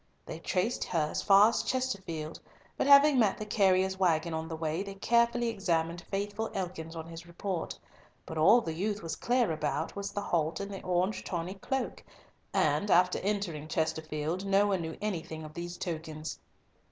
They traced her as far as Chesterfield; but having met the carrier's waggon on the way, they carefully examined Faithful Ekins on his report, but all the youth was clear about was the halt and the orange tawny cloak, and after entering Chesterfield, no one knew anything of these tokens.